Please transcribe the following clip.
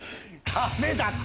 ダメだって。